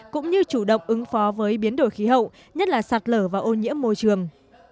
cũng như chủ động ứng phó với biến đổi khí hậu nhất là sạt lở và ô nhiễm môi trường